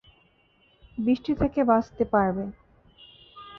বৃষ্টি থেকে বাঁচতে পারবে।